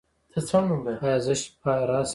ایا زه شپه راشم؟